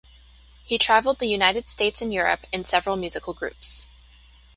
He traveled the United States and Europe in several musical groups.